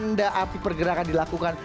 tanda api pergerakan dilakukan